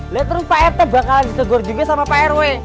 lihat terus pak rt bakalan ditegur juga sama pak rw